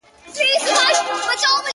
د انسانانو په جنګ راغلې-